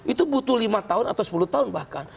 itu butuh lima tahun atau sepuluh tahun bahkan